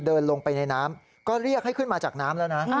เดินลงไปในน้ำก็เรียกให้ขึ้นมาจากน้ำแล้วนะ